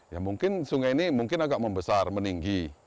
ya mungkin sungai ini mungkin agak membesar meninggi